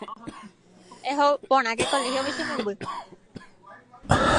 No ganó el premio, y la nouvelle nunca fue publicada.